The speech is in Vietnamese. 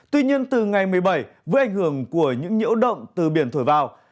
tuy nhiên từ ngày một mươi bảy với ảnh hưởng của những nhiễu động từ biển thổi vào